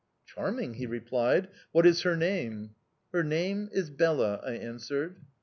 "'Charming!' he replied. 'What is her name?' "'Her name is Bela,' I answered.